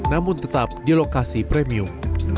namun tetap di lokasi premium